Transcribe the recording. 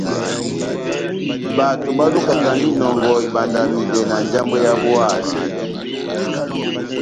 Bato balukakandini inɔngɔ ibandamidɛ na njambwɛ yábu ehasɛ.